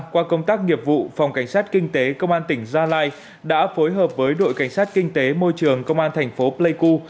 qua công tác nghiệp vụ phòng cảnh sát kinh tế công an tỉnh gia lai đã phối hợp với đội cảnh sát kinh tế môi trường công an thành phố pleiku